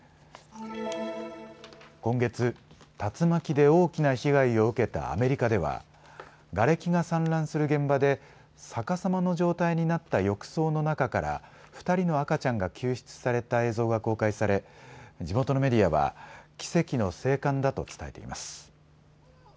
今月、竜巻で大きな被害を受けたアメリカではがれきが散乱する現場で逆さまの状態になった浴槽の中から２人の赤ちゃんが救出された映像が公開され地元のメディアは奇跡の生還だと伝えています。